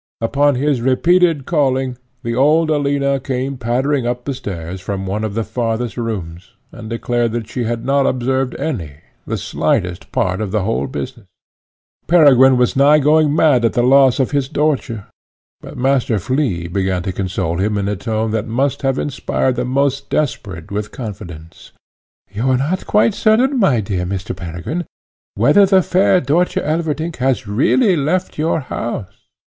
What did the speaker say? Upon his repeated calling, the old Alina came pattering up the stairs from one of the farthest rooms, and declared that she had not observed any, the slightest, part of the whole business. Peregrine was nigh going mad at the loss of Dörtje, but Master Flea began to console him in a tone that must have inspired the most desperate with confidence: "You are not yet quite certain, my dear Mr. Peregrine, whether the fair Dörtje Elverdink has really left your house.